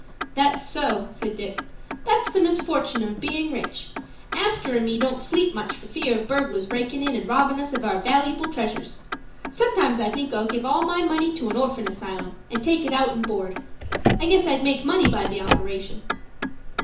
"That's so," said Dick. "That's the misfortin' of being rich. Astor and me don't sleep much for fear of burglars breakin' in and robbin' us of our valooable treasures. Sometimes I think I'll give all my money to an Orphan Asylum, and take it out in board. I guess I'd make money by the operation."